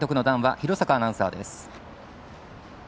広坂アナウンサーです。